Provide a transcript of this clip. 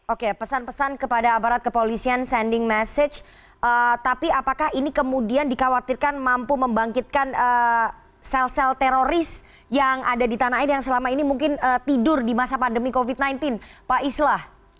oke pesan pesan kepada aparat kepolisian sending message tapi apakah ini kemudian dikhawatirkan mampu membangkitkan sel sel teroris yang ada di tanah air yang selama ini mungkin tidur di masa pandemi covid sembilan belas pak islah